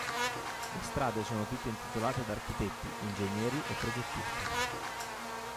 Le strade sono tutte intitolate ad architetti, ingegneri e progettisti.